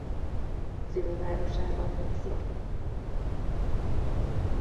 Szülővárosában nyugszik.